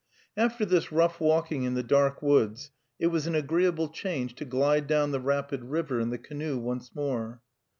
After this rough walking in the dark woods it was an agreeable change to glide down the rapid river in the canoe once more.